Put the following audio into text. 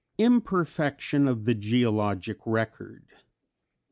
_Imperfection of the Geologic Record.